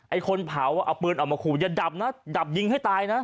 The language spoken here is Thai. คนเผาอ่ะเอาปืนออกมาขู่อย่าดับนะดับยิงให้ตายนะ